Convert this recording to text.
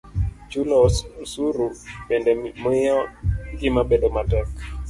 Chulo osuru bende miyo ngima bedo matek